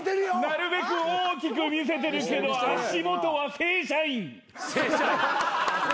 なるべく大きく見せてるけど足元は正社員。